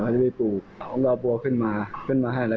พร้อมพอขับลงไปนอนละ